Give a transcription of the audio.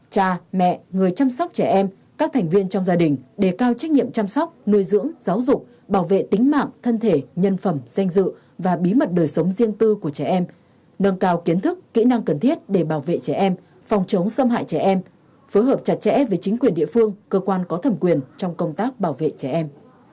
năm cha mẹ người chăm sóc trẻ em các thành viên trong gia đình đề cao trách nhiệm chăm sóc nuôi dưỡng giáo dục bảo vệ tính mạng thân thể nhân phẩm danh dự và bí mật đời sống riêng tư của trẻ em nâng cao kiến thức kỹ năng cần thiết để bảo vệ trẻ em phòng chống xâm hại trẻ em phối hợp chặt chẽ với chính quyền địa phương cơ quan có thẩm quyền trong công tác bảo vệ trẻ em